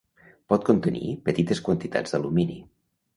Pot contenir petites quantitats d'alumini.